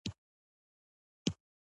د حق چیغه هم غږ لري